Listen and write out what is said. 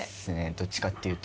どっちかっていうと。